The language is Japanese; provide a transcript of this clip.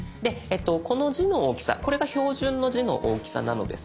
この字の大きさこれが標準の字の大きさなのですが。